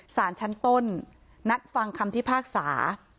สารชั้นต้นนัดฟังคำพิพากษา